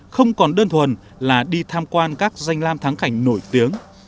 không còn đơn thuần là đi tham quan các danh lam thắng cảnh nổi tiếng